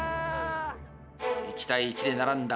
１対１で並んだ。